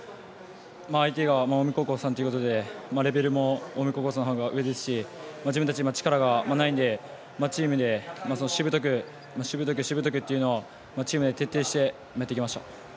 相手が近江高校さんということでレベルも近江高校さんの方が上ですし自分たちは今あまり力がないのでしぶとく、しぶとくというのはチームで徹底してやってきました。